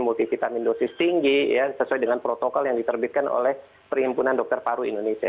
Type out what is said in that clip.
multivitamin dosis tinggi sesuai dengan protokol yang diterbitkan oleh perhimpunan dokter paru indonesia